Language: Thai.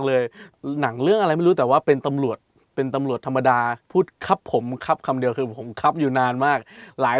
ถูกว่าเซ็นอิซึนี้เฉย